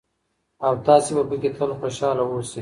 او تاسې به پکې تل خوشحاله اوسئ.